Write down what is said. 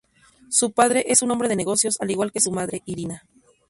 Su padre es un hombre de negocios al igual que su madre, Irina.